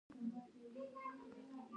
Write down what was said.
هډوکي د ماشومتوب وروسته سختېږي.